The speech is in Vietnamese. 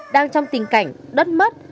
đang trong tình cảnh đất mất